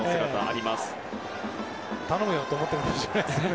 頼むよと思ってるんじゃないですかね。